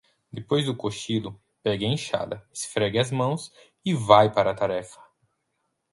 Depois do cochilo, pegue a enxada, esfregue as mãos e vai para a tarefa.